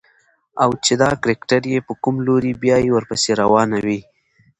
او چې دا کرکټر يې په کوم لوري بيايي ورپسې روانه وي.